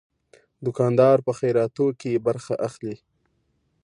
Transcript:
دوکاندار په خیراتو کې برخه اخلي.